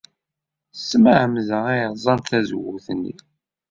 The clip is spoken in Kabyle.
S tmeɛmada ay rẓant tazewwut-nni.